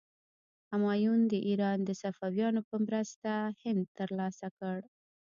همایون د ایران د صفویانو په مرسته هند تر لاسه کړ.